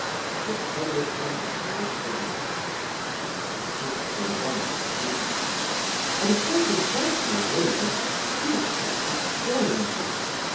His whole attention was given to her. She had to invent the sequel. "I was going to beg you, Willoughby, do not seek to spoil me.